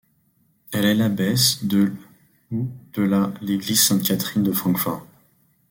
Elle est l'abbesse de l' ou de la l'église Sainte-Catherine de Francfort.